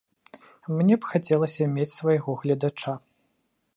Мне б хацелася мець свайго гледача.